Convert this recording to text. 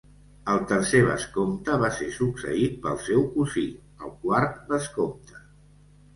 El tercer vescomte va ser succeït pel seu cosí, el quart vescomte.